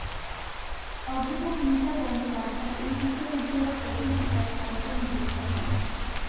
অধ্যাপক মিতা বন্দ্যোপাধ্যায় এই বিশ্ববিদ্যালয়ের প্রথম উপাচার্য নিযুক্ত হন।